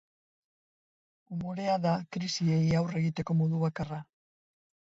Umorea da krisiei aurre egiteko modu bakarra.